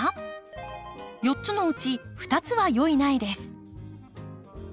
４つのうち２つは良い苗です。